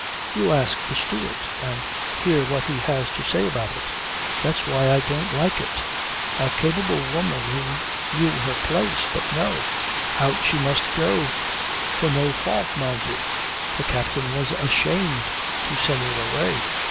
You ask the steward and hear what he has to say about it. That's why I don't like it. A capable woman who knew her place. But no. Out she must go. For no fault, mind you. The captain was ashamed to send her away.